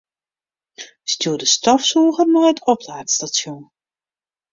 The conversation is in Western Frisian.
Stjoer de stofsûger nei it oplaadstasjon.